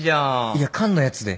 いや缶のやつで。